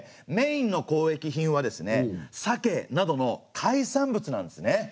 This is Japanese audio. メインの交易品はですね鮭などの海産物なんですね。